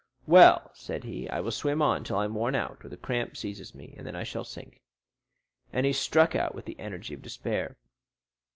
"Well," said he, "I will swim on until I am worn out, or the cramp seizes me, and then I shall sink;" and he struck out with the energy of despair.